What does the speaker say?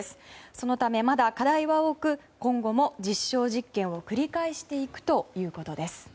そのため、まだ課題は多く今後も実証実験を繰り返していくということです。